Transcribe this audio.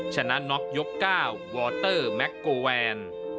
ชนะน็อกยก๙วอเตอร์แม็กโกแวน